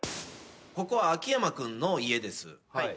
ここは秋山君の家です。